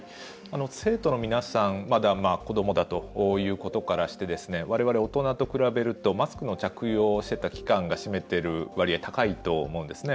生徒の皆さんまだ子どもだということで我々大人と比べるとマスクの着用をしていた期間が占めてる割合高いと思うんですね。